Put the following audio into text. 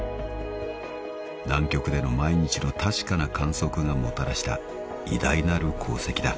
［南極での毎日の確かな観測がもたらした偉大なる功績だ］